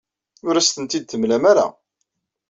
Ur asent-t-id-temlam ara.